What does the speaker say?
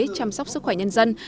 chăm sóc sức khỏe nhân dân